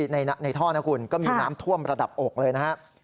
ในท่อนะคุณก็มีน้ำท่วมระดับอกเลยนะครับ